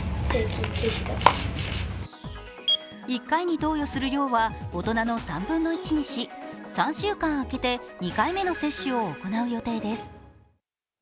１回に投与する量は大人の３分の１にし３週間あけて２回目の接種を行う予定です。